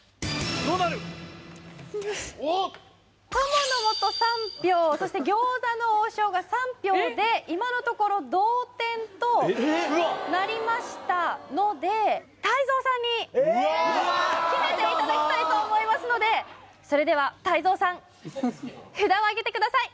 どうなる！？とものもと３票そして餃子の王将が３票で今のところ同点となりましたので泰造さんに決めていただきたいと思いますのでそれでは泰造さん札をあげてください